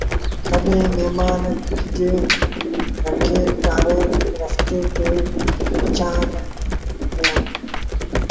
تڏهيݩٚ مآڻهآنٚ کجيٚ رينٚ ٽآرينٚ رستي تي وڇآڻ لآ کيآندوݩ